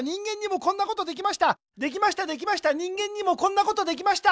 できましたできました人間にもこんなことできました